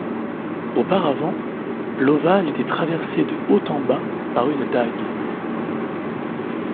Auparavant, l'ovale était traversé de haut en bas par une dague.